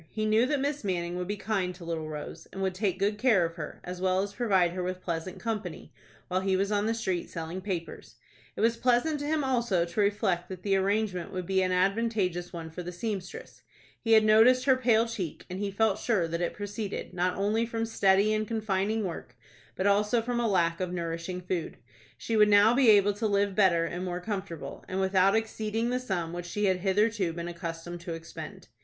He knew that Miss Manning would be kind to little Rose, and would take good care of her, as well as provide her with pleasant company, while he was on the street selling papers. It was pleasant to him also to reflect that the arrangement would be an advantageous one for the seamstress. He had noticed her pale cheek, and he felt sure that it proceeded, not only from steady and confining work, but also from a lack of nourishing food. She would now be able to live better and more comfortable, and without exceeding the sum which she had hitherto been accustomed to expend.